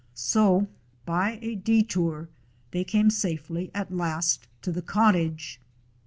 So by a detour they came safely at last to the cottage.